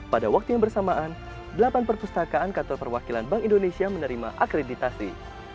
pada waktu yang bersamaan delapan perpustakaan kantor perwakilan bank indonesia menerima akreditasi